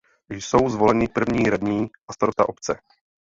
Jsou zvoleni první radní a starosta obce.